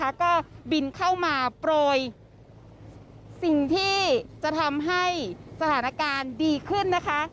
ก็บินเข้ามาโปรยสิ่งที่จะทำให้สถานการณ์ดีขึ้นนะคะ